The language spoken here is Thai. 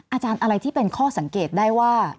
อาจารย์อะไรที่เป็นข้อสังเกตได้ว่า